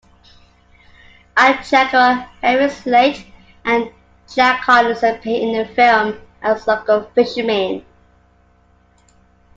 Al Checco, Henry Slate, and Jack Collins appear in the film as local fishermen.